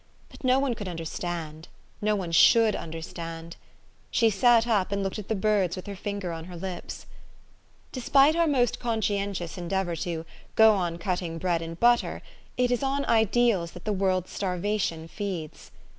But no one could understand : no one should under stand. She sat up, and looked at the birds with her finger on her lips. Despite our most conscientious endeavor to " go on cutting bread and butter," it is on ideals that the world's starvation feeds.